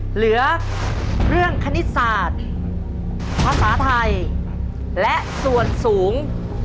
เหลือเรื่องคณิตศาสตร์ภาษาไทยและส่วนสูง